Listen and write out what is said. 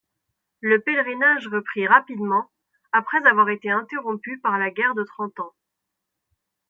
Le pèlerinage reprit rapidement, après avoir été interrompu par la guerre de Trente Ans.